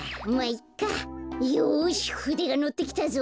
よしふでがのってきたぞ！